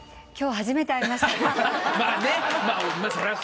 今日初めて会いました。